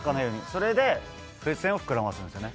それで風船を膨らませるんですよね。